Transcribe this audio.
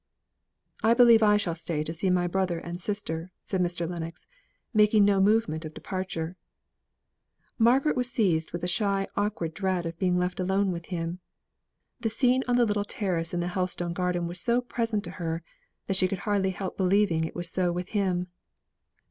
"I believe I shall stay and see my brother and sister," said Mr. Lennox, making no movement of departure. Margaret was seized with a shy awkward dread of being left alone with him. The scene on the little terrace in the Helstone garden was so present to her, that she could hardly help believing it was so with him.